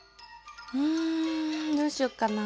うんどうしよっかな。